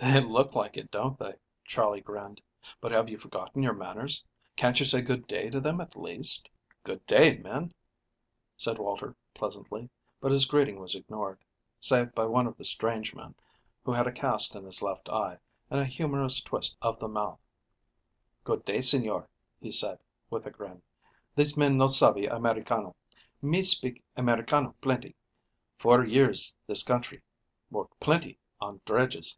"They look like it, don't they?" Charley grinned. "But have you forgotten your manners? Can't you say good day to them, at least?" "Good day, men," said Walter pleasantly, but his greeting was ignored, save by one of the strange men, who had a cast in his left eye and a humorous twist of the mouth. "Good day, señor," he said, with a grin. "These men no savey Americano. Me speak Americano plentee. Four years this country. Work plentee on dredges."